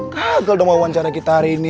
gagal dong wawancara kita hari ini